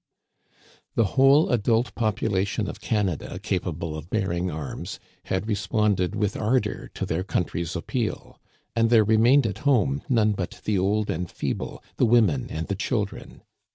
The whole adult population of Canada capable of bearing arras had responded with ardor to their country's appeal; and there remained at home none but the old and feeble, the women and the children.